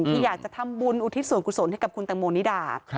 ที่อยากจะทำบุญอุทิศส่วนกุศลให้กับคุณตังโมนิดา